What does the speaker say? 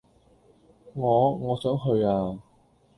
我……我想去呀！